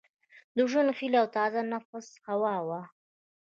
د ژوند هیلي او تازه نفس هوا وه